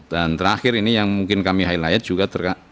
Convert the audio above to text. dan terakhir ini yang mungkin kami highlight juga